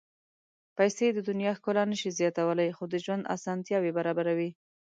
پېسې د دنیا ښکلا نه شي زیاتولی، خو د ژوند اسانتیاوې برابروي.